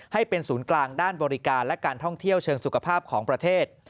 ให้เป็นศูนย์กลางด้านบริการและการท่องเที่ยวเชิงสุขภาพของประเทศ